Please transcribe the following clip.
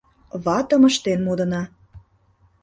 Ватым ыштен модына.